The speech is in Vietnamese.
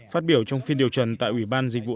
phát biểu trong phiên điều trần tại ủy ban dịch vụ